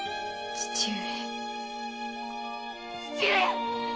父上！